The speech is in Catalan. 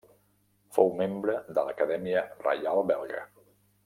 Fou membre de l'Acadèmia Reial Belga.